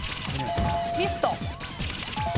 ミスト。